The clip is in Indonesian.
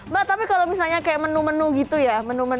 mbak tapi kalau misalnya kayak menu menu gitu ya